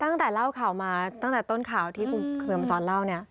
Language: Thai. ตั้งแต่เล่าข่าวมาตั้งแต่ต้นข่าวที่คุณเขมสอนเล่าเนี่ย